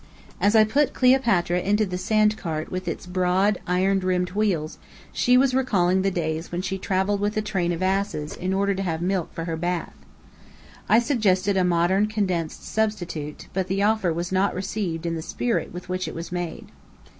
As I put Cleopatra into the sandcart with its broad, iron rimmed wheels, she was recalling the days when she travelled with a train of asses in order to have milk for her bath. I suggested a modern condensed substitute, but the offer was not received in the spirit with which it was made.